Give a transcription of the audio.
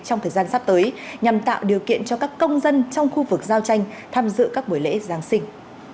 trong thời gian sắp tới nhằm tạo điều kiện cho các công dân trong khu vực giao tranh tham dự các buổi lễ giáng sinh